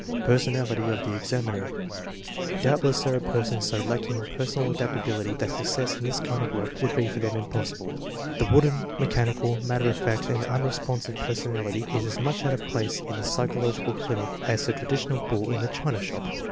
Personality of the examiner. Doubtless there are persons so lacking in personal adaptability that success in this kind of work would be for them impossible. The wooden, mechanical, matter of fact and unresponsive personality is as much out of place in the psychological clinic as the traditional bull in the china shop.